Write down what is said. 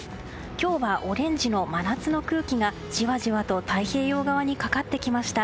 今日はオレンジの真夏の空気がじわじわと太平洋側にかかってきました。